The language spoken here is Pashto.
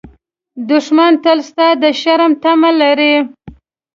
دښمن تل ستا د شر تمه لري